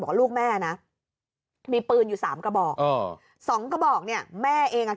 ว่าลูกแม่นะมีปืนอยู่สามกระบอกเออสองกระบอกเนี้ยแม่เองอ่ะ